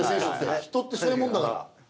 人ってそういうもんだから。